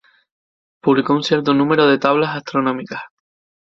Publicó un cierto número de tablas astronómicas.